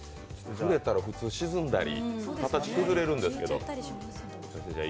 触れたら普通沈んだり、形消えるんですけど。